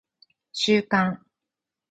収監